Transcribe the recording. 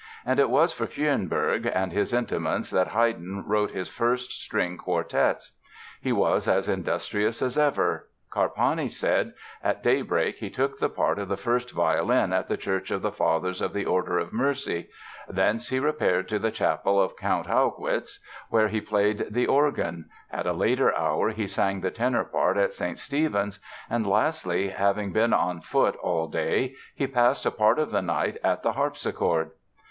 And it was for Fürnberg and his intimates that Haydn wrote his first string quartets. He was as industrious as ever. Carpani said: "At daybreak he took the part of the first violin at the Church of the Fathers of the Order of Mercy; thence he repaired to the chapel of Count Haugwitz, where he played the organ; at a later hour he sang the tenor part at St. Stephen's; and lastly, having been on foot all day, he passed a part of the night at the harpsichord."